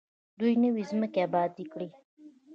دوی نوې ځمکې ابادې کړې.